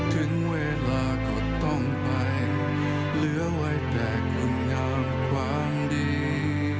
ถึงเวลาก็ต้องไปเหลือไว้แต่คุณงามความดี